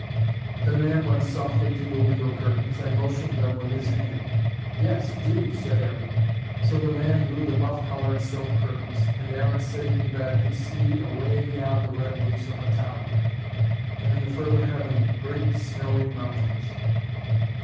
The man went softly to the window curtains, and motioned them with his hand. "Yes, do," said Aaron. So the man drew the buff coloured silk curtains: and Aaron, sitting in bed, could see away beyond red roofs of a town, and in the further heaven great snowy mountains.